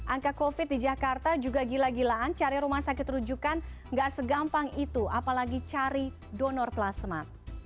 angka covid di jakarta juga gila gilaan cari rumah sakit rujukan nggak segampang itu apalagi cari donor plasma